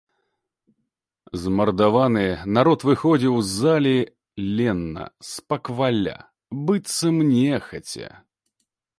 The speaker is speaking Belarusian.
Змардаваны народ выходзіў з залі лена, спакваля, быццам нехаця.